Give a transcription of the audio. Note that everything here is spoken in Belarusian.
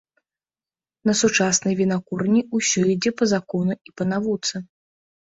На сучаснай вінакурні ўсё ідзе па закону і па навуцы.